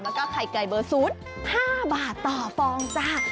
แล้วก็ไข่ไก่เบอร์๐๕บาทต่อฟองจ้า